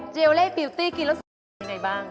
เจลเล่บิวตี้กินรสไหนบ้าง